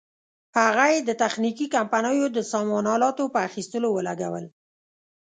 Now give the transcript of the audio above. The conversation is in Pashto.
هغه یې د تخنیکي کمپنیو د سامان الاتو په اخیستلو ولګول.